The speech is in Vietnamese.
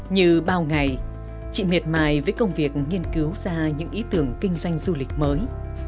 như bao ngày chị miệt mài với công việc nghiên cứu ra những ý tưởng kinh doanh du lịch mới